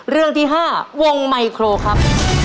เรื่องที่๕วงไมโครครับ